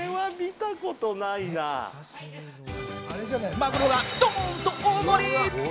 マグロがドーンと大盛り！